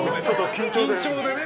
緊張でね。